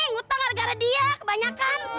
ngutang gara gara dia kebanyakan